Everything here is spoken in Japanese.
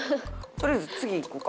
とりあえず次いこか。